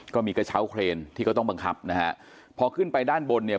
ก็มีกระเช้าเครนที่ก็ต้องบังคับนะฮะพอขึ้นไปด้านบนเนี่ย